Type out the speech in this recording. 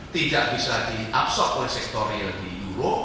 tidak bisa diabsorb oleh sektor real di euro